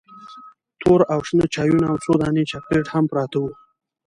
تور او شنه چایونه او څو دانې چاکلیټ هم پراته وو.